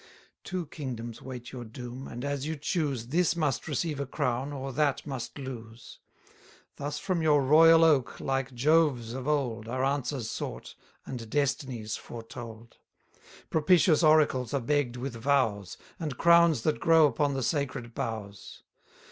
Two kingdoms wait your doom, and, as you choose, This must receive a crown, or that must lose. Thus from your royal oak, like Jove's of old, Are answers sought, and destinies foretold: 130 Propitious oracles are begg'd with vows, And crowns that grow upon the sacred boughs.